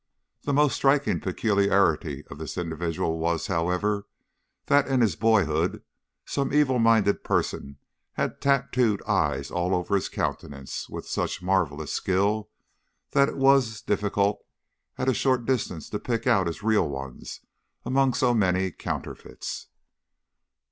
The most striking peculiarity of this individual was, however, that in his boyhood some evil minded person had tattooed eyes all over his countenance with such marvellous skill that it was difficult at a short distance to pick out his real ones among so many counterfeits.